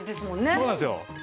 そうなんですよ。